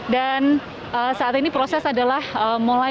dan saat ini proses adalah mulai